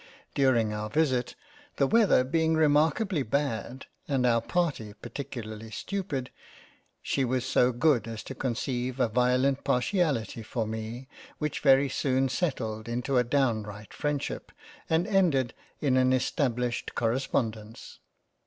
During our visit, the Weather being re markably bad, and our party particularly stupid, she was so good as to conceive a violent partiality for me, which very soon settled in a downright Freindship and ended in an estab lished correspondence.